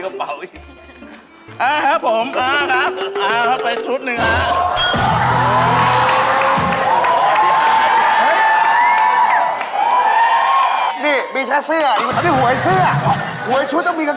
ขายร็อเตอรี่ฮะ